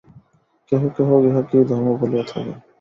কেহ কেহ ইহাকেই ধর্ম বলিয়া থাকে।